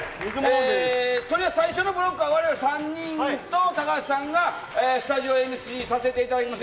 とりあえず最初は僕ら３人と高畑さんがスタジオＭＣさせていただきます。